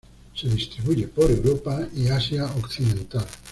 Se distribuye por Europa y Asia occidental.